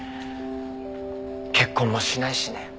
結婚もしないしね。